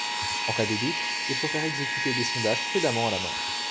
En cas de doutes, il faut faire exécuter des sondages prudemment à la main.